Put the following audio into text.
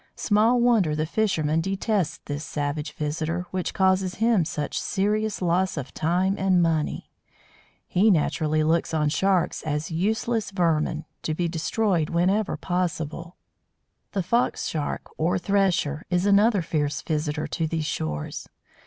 Small wonder the fisherman detests this savage visitor which causes him such serious loss of time and money. He naturally looks on Sharks as useless "vermin," to be destroyed whenever possible. [Illustration: Photo: A. F. Dauncey. DOG FISH EGG CASE] The Fox Shark, or Thresher, is another fierce visitor to these shores.